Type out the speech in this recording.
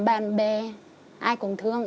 bạn bè ai cũng thương